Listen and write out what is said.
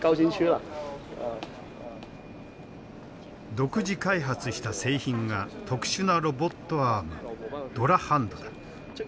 独自開発した製品が特殊なロボットアームドラハンドだ。